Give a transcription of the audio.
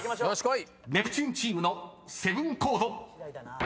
［ネプチューンチームのセブンコード］